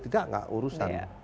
tidak tidak urusan